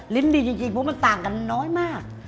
ดีจริงเพราะมันต่างกันน้อยมาก